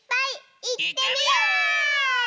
いってみよ！